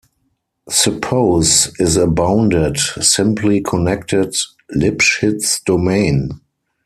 Suppose is a bounded, simply-connected, Lipschitz domain.